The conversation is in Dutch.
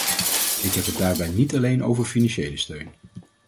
Ik heb het daarbij niet alleen over financiële steun.